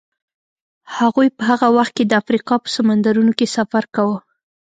هغوی په هغه وخت کې د افریقا په سمندرونو کې سفر کاوه.